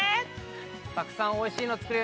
たくさんおいしいの作れるよ